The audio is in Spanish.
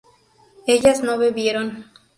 ellas no bebieron